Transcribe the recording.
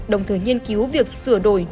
đồng thời nghiên cứu việc sửa đổi